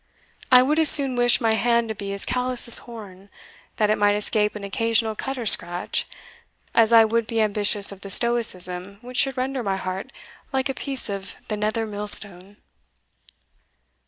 I would as soon wish my hand to be as callous as horn, that it might escape an occasional cut or scratch, as I would be ambitious of the stoicism which should render my heart like a piece of the nether millstone."